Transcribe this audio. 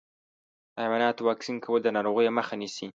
د حيواناتو واکسین کول د ناروغیو مخه نیسي.